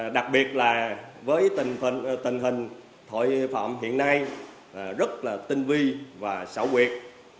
đặc biệt là với tình hình tội phạm hiện nay rất là tinh vi và xảo quyệt